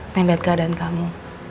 neng liat keadaan kamu